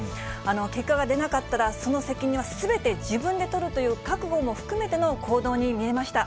結果が出なかったら、その責任はすべて自分で取るという覚悟も含めての行動に見えました。